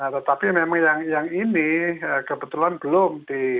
tetapi memang yang ini kebetulan belum di